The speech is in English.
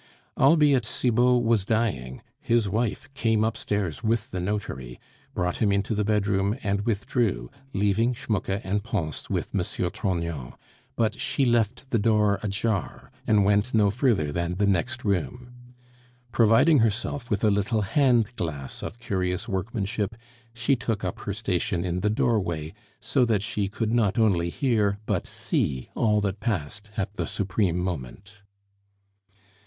Albeit Cibot was dying, his wife came upstairs with the notary, brought him into the bedroom, and withdrew, leaving Schmucke and Pons with M. Trognon; but she left the door ajar, and went no further than the next room. Providing herself with a little hand glass of curious workmanship, she took up her station in the doorway, so that she could not only hear but see all that passed at the supreme moment.